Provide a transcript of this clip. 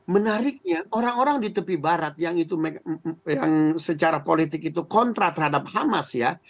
menariknya orang orang di tepi barat yang itu secara politik itu kontra terhadap hamas ya